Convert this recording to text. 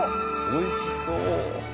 おいしそう！